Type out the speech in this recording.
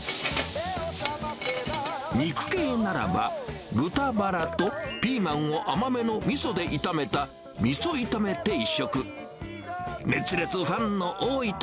肉系ならば、豚バラとピーマンを甘めのみそで炒めたみそ炒め定食。